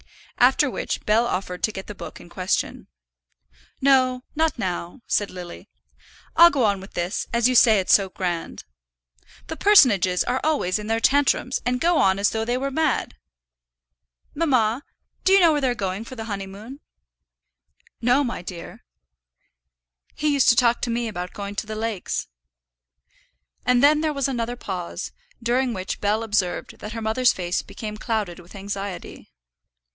After which Bell offered to get the book in question. "No, not now," said Lily. "I'll go on with this, as you say it's so grand. The personages are always in their tantrums, and go on as though they were mad. Mamma, do you know where they're going for the honeymoon?" "No, my dear." "He used to talk to me about going to the lakes." And then there was another pause, during which Bell observed that her mother's face became clouded with anxiety.